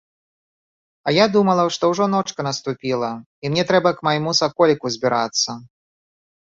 А я думала, што ўжо ночка наступіла і мне трэба к майму саколіку збірацца.